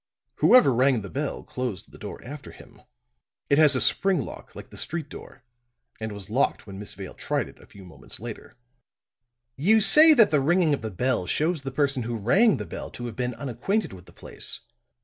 "Whoever rang the bell closed the door after him. It has a spring lock like the street door; and was locked when Miss Vale tried it a few moments later." "You say that the ringing of the bell shows the person who rang the bell to have been unacquainted with the place.